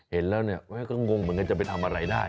เห็นแล้วเนี่ยแม่ก็งงเหมือนกันจะไปทำอะไรได้